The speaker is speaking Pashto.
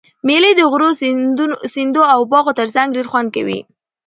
مېلې د غرو، سیندو او باغو ترڅنګ ډېر خوند کوي.